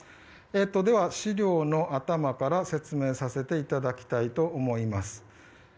では資料の頭から説明させていただきたいと思います。